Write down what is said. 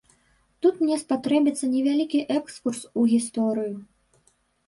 Тут мне спатрэбіцца невялікі экскурс у гісторыю.